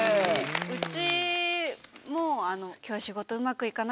うちも。